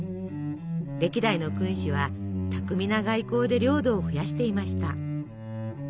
歴代の君主は巧みな外交で領土を増やしていました。